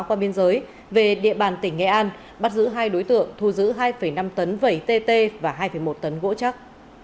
qua biên giới về địa bàn tỉnh nghệ an bắt giữ hai đối tượng thu giữ hai năm tấn vẩy tt và hai một tấn gỗ chắc